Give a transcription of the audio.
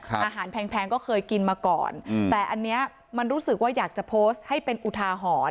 อาหารแพงก็เคยกินมาก่อนแต่อันนี้มันรู้สึกว่าอยากจะโพสต์ให้เป็นอุทาหรณ์